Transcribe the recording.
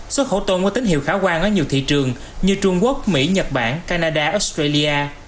xuất khẩu tôm có tín hiệu khả quan ở nhiều thị trường như trung quốc mỹ nhật bản canada australia